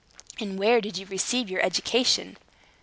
and where did you receive your education?"